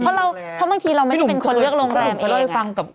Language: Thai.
เพราะบางทีเราไม่ได้เป็นคนเลือกโรงแรมเอง